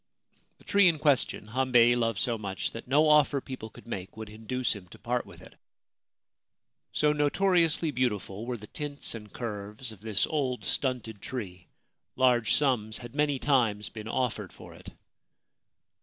The tree in question Hambei loved so much that no offer people could make would induce him to part with it. So notoriously beautiful were the tints and curves of this 319 Ancient Tales and Folklore of Japan old stunted tree, large sums had many times been offered for it.